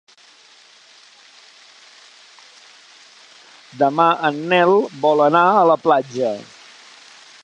Demà en Nel vol anar a la platja.